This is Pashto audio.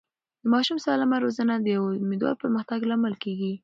د ماشوم سالمه روزنه د دوامدار پرمختګ لامل کېږي.